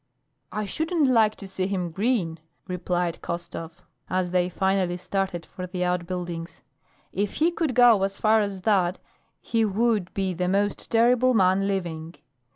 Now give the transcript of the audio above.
"I shouldn't like to see him grin," replied Khostov, as they finally started for the outbuildings. "If he could go as far as that he would be the most terrible man living.